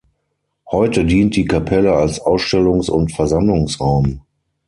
Heute dient die Kapelle als Ausstellungs- und Versammlungsraum.